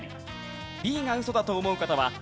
Ｂがウソだと思う方は＃